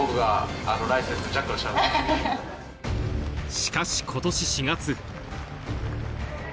しかし今年４月。